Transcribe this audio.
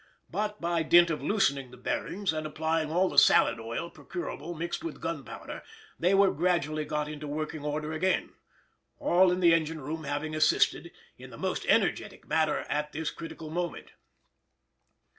But by dint of loosening the bearings and applying all the salad oil procurable mixed with gunpowder they were gradually got into working order again, all in the engine room having assisted in the most energetic manner at this crucial moment.